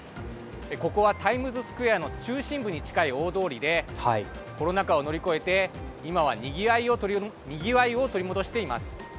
ここは、タイムズスクエアの中心部に近い大通りでコロナ禍を乗り越えて今は、にぎわいを取り戻しています。